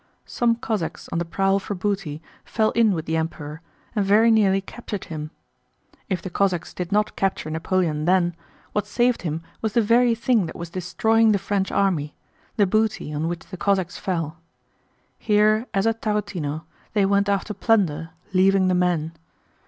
Some Cossacks on the prowl for booty fell in with the Emperor and very nearly captured him. If the Cossacks did not capture Napoleon then, what saved him was the very thing that was destroying the French army, the booty on which the Cossacks fell. Here as at Tarútino they went after plunder, leaving the men.